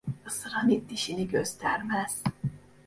Isıran it, dişini göstermez.